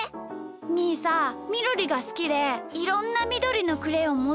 みーさみどりがすきでいろんなみどりのクレヨンもってるんだ。